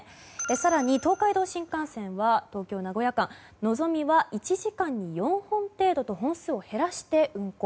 更に東海道新幹線は東京名古屋間「のぞみ」は１時間に４本程度と本数を減らして運行。